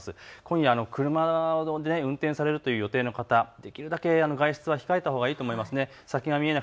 今夜、車を運転されるという予定の方、できるだけ外出は控えたほうがいいと思います。